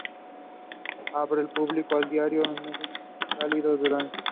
Abre al público a diario en los meses cálidos del año.